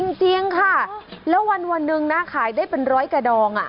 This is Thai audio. ๒๐บาทจริงค่ะแล้ววันนึงนะขายได้เป็น๑๐๐กระดองอ่ะ